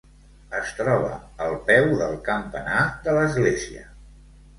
es troba al peu del campanar de l'església